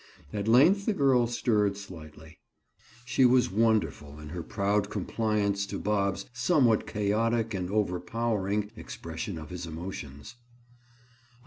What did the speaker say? At length the girl stirred slightly. She was wonderful in her proud compliance to Bob's somewhat chaotic and over powering expression of his emotions.